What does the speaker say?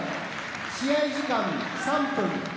試合時間、３分。